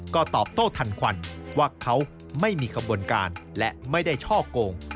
ก็ตอบโต้ทันควันว่าเขาไม่มีขบวนการและไม่ได้ช่อกง